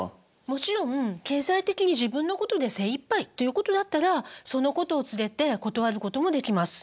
もちろん経済的に自分のことで精いっぱいということであったらそのことを告げて断ることもできます。